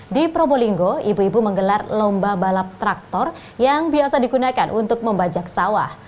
di probolinggo ibu ibu menggelar lomba balap traktor yang biasa digunakan untuk membajak sawah